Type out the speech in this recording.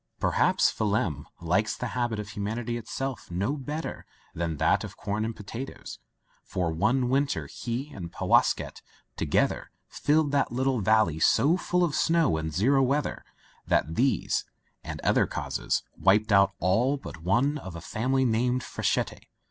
Perhaps Phelim likes the habit of hu manity itself no better than that of corn and potatoes, for one winter he and Powasket to gether filled that little valley so full of snow and zero weather that these — ^and other causes — ^wiped out all but one of a family named Frechette.